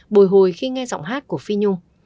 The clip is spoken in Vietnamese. bồi hồi khi nghe giọng hát của phi nhung